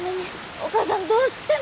お母さんどうしても。